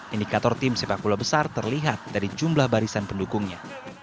indikator tim sepak bola besar terlihat dari jumlah barisan pendukungnya